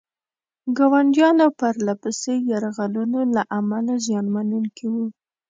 ګاونډیانو پرله پسې یرغلونو له امله زیان منونکي وو.